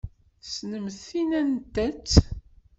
Tessnemt tin anta-tt?